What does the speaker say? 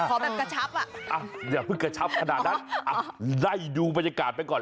ขอแบบกระชับอ่ะอย่าเพิ่งกระชับขนาดนั้นอ่ะไล่ดูบรรยากาศไปก่อน